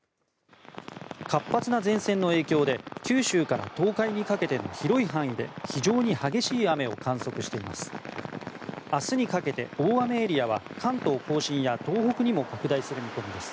活発な前線の影響で九州から東海にかけての広い範囲で非常に激しい雨を観測しています。